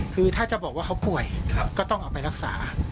คือถ้าจะบอกว่าเขาป่วยก็ต้องเอาไปรักษา